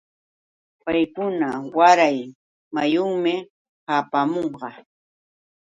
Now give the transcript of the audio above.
Paykuna waray muyunmi hapaamunqa.